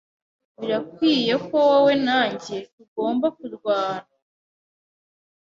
Birakwiye ko wowe na njye tugomba kurwana?